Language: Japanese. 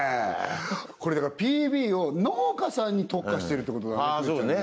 これだからＰＢを農家さんに特化してるってことだね